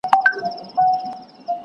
د مطلب محبت تر هغه مطلبه پوري وي.